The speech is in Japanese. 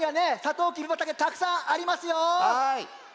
とうきび畑たくさんありますよ。